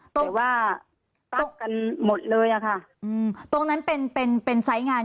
แต่ว่าตั้งกันหมดเลยอะค่ะอืมตรงนั้นเป็นเป็นไซส์งาน